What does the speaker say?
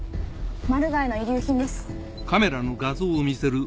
マルガイの遺留品です。